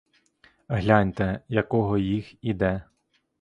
Гляньте, якого їх іде.